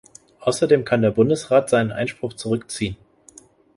Außerdem kann der Bundesrat seinen Einspruch zurückziehen.